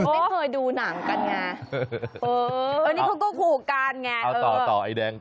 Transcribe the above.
คุณไม่เคยดูหนังกันไงเออนี่เขาก็ผูกกันไงเออเอาต่อไอ้แดง